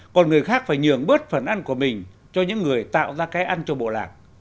còn người khác phải nhường bớt phần ăn của mình cho những người tạo ra cái ăn cho bộ lạc